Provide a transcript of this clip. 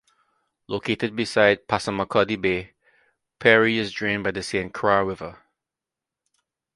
Located beside Passamaquoddy Bay, Perry is drained by the Saint Croix River.